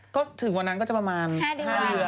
ก็ถึงวันนั้นก็จะประมาณ๕เดือน